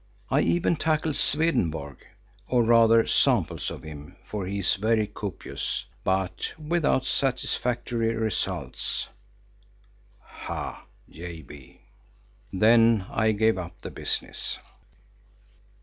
I even tackled Swedenborg, or rather samples of him, for he is very copious, but without satisfactory results. [Ha!—JB] Then I gave up the business.